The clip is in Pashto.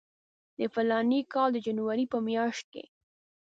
د فلاني کال د جنوري په میاشت کې.